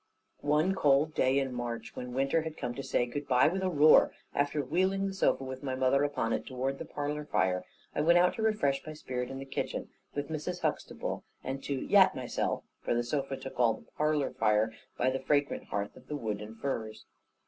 One cold day in March, when winter had come to say "good bye" with a roar, after wheeling the sofa with my mother upon it towards the parlour fire, I went out to refresh my spirit in the kitchen with Mrs. Huxtable, and to "yat myself" (for the sofa took all the parlour fire) by the fragrant hearth of wood and furze.